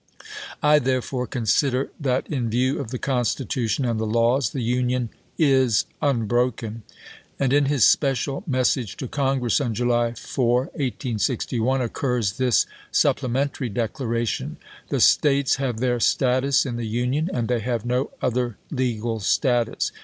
I, therefore, consider that, in view of the Constitution and the laws, the inaugumi, Union is unbroken." And in his special message isei. to Congress on July 4, 1861, occurs this supplemen tary declaration :" The States have their status in the Union, and they have no other legal status.